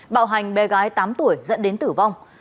bạo hành bé gái tám tuổi dẫn đến tử vong